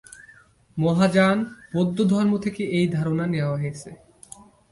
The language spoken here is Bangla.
মহাযান বৌদ্ধধর্ম থেকে এই ধারণা নেওয়া হয়েছে।